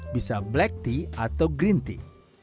bisa black tea atau green tea